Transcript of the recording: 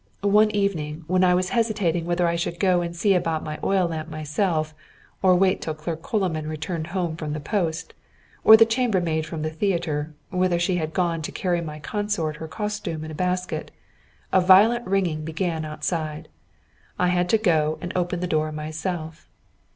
One evening, when I was hesitating whether I should go and see about my oil lamp myself, or wait till clerk Coloman returned home from the post, or the chamber maid from the theatre, whither she had gone to carry my consort her costume in a basket, a violent ringing began outside. I had to go and open the door myself.